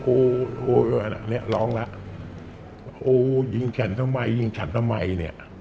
โอ้โหเรียกร้องแล้วโอ้ยิงฉันทำไมยิงฉันทำไมเนี่ย